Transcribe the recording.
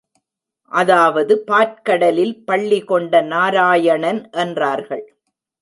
அதாவது பாற்கடலில் பள்ளி கொண்ட நாராயணன் என்றார்கள்.